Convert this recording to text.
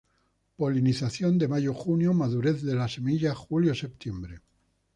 Polinización de mayo-junio, madurez de la semilla julio-sep.